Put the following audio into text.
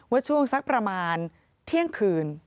ว่าช่วงสักประมาณเที่ยงคืน